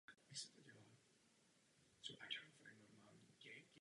Třetí podlaží je tvořeno rozsáhlou terasou se zelení.